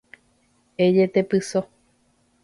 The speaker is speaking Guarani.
Ejetepyso